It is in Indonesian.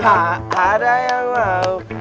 tak ada yang mau